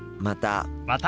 また。